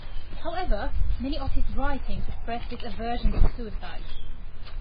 However, many of his writings express his aversion to suicide.